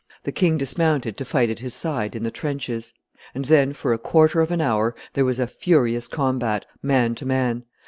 The king dismounted to fight at his side in the trenches; and then, for a quarter of an hour, there was a furious combat, man to man.